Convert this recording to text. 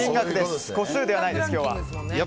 個数ではないです、今日は。